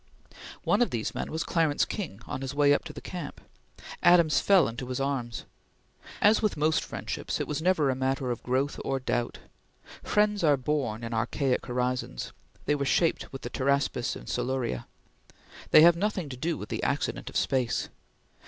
One of these men was Clarence King on his way up to the camp. Adams fell into his arms. As with most friendships, it was never a matter of growth or doubt. Friends are born in archaic horizons; they were shaped with the Pteraspis in Siluria; they have nothing to do with the accident of space.